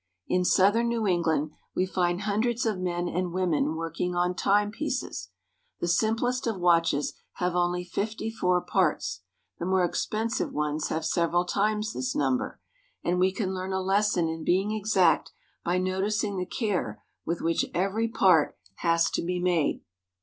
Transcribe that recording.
In southern New England we find hundreds of men and women working on timepieces. The simplest of watches have only fifty four parts ; the more expensive ones have several times this number; and we can learn a lesson in being exact by noticing the care with which every part has 8o NEW ENGLAND. to be made.